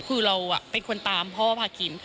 คือเราเป็นคนตามพ่อพาคิน